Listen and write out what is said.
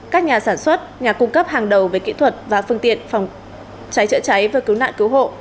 các nhà sản xuất nhà cung cấp hàng đầu về kỹ thuật và phương tiện phòng cháy chữa cháy và cứu nạn cứu hộ